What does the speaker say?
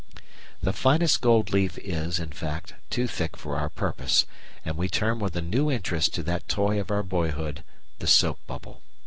The finest gold leaf is, in fact, too thick for our purpose, and we turn with a new interest to that toy of our boyhood the soap bubble.